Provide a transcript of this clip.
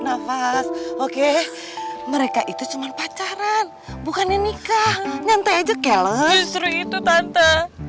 nafas oke mereka itu cuman pacaran bukannya nikah nyantai aja cale seru itu tante